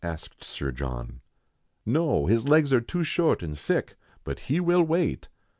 asked Sir John. " No ; his legs are too short and thick, but he will wait."